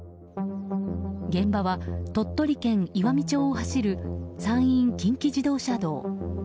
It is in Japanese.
現場は鳥取県岩美町を走る山陰近畿自動車道。